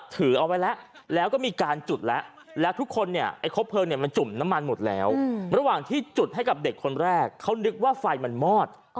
ตั้งแต่ที่จุดให้กับเด็กคนแรกเขานึกว่าไฟมันมอด